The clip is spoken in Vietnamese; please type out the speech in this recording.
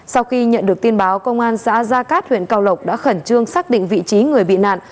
sau khi nhận được tin báo công an xã gia cát huyện cao lộc đã khẩn trương xác định vị trí người bị nạn